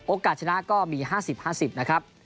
โอกาสชนะก็มี๕๐๕๐นะครับ